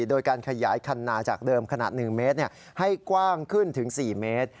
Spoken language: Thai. โดยการขยายคันนาจากเดิมขนาด๑เมตรให้กว้างขึ้นถึง๔เมตร